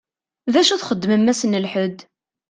D acu i txeddmem ass n lḥedd?